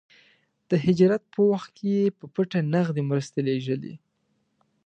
د هجرت په وخت کې يې په پټه نغدې مرستې لېږلې.